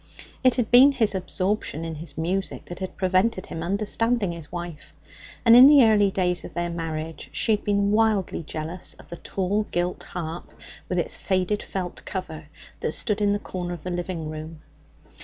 It had been his absorption in his music that had prevented him understanding his wife, and in the early days of their marriage she had been wildly jealous of the tall gilt harp with its faded felt cover that stood in the corner of the living room.